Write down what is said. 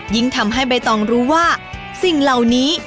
ยิ่งทำให้ใบตองรู้ว่าสิ่งเหล่านี้